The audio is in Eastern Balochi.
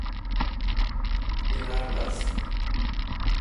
بناربس؟